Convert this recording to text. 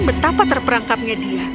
betapa terperangkapnya dia